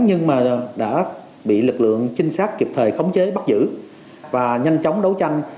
nhưng mà đã bị lực lượng trinh sát kịp thời khống chế bắt giữ và nhanh chóng đấu tranh